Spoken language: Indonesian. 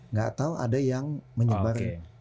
gak tau ada yang menyebar